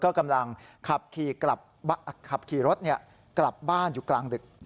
ก็กำลังขับขี่รถกลับบ้านอยู่กลางดึก